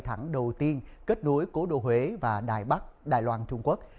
thẳng đầu tiên kết nối cố đô huế và đài bắc đài loan trung quốc